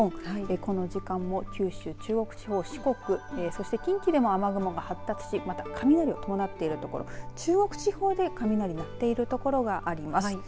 この時間も九州、中国地方、四国そして近畿でも雨雲が発達しまた、雷を伴っている所中国地方で雷鳴っている所があります。